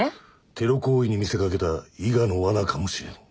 テロ行為に見せ掛けた伊賀のわなかもしれん。